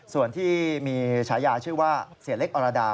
ส่วนที่มีฉายาชื่อว่าเสียเล็กอรดา